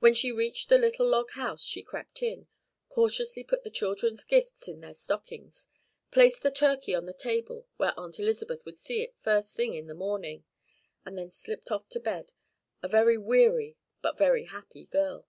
When she reached the little log house she crept in, cautiously put the children's gifts in their stockings, placed the turkey on the table where Aunt Elizabeth would see it the first thing in the morning, and then slipped off to bed, a very weary but very happy girl.